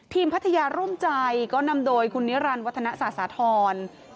ทีมพัทยาร่วมใจก็นำโดยคุณศิลป์นิรันดิ์วัฒนธรรพ์สาสาธรณภาร์